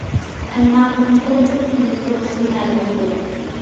ئەمما ئۇنىڭ كونكرېتنى قىممىتى توغرىسىدا مەلۇمات يوق.